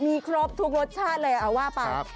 มีครบทุกรสชาติเลยเอาว่าไป